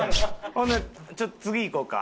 ほんでちょっと次行こうか。